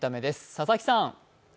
佐々木さん。